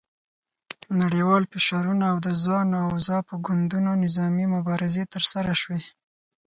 نړیوال فشارونه او د زانو او زاپو ګوندونو نظامي مبارزې ترسره شوې.